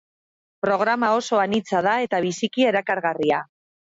Programa oso anitza da eta biziki erakargarria.